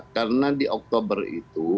karena di oktober itu